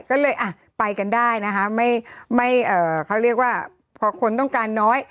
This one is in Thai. ก็เลยอ่ะไปกันได้นะคะไม่ไม่เอ่อเขาเรียกว่าพอคนต้องการน้อย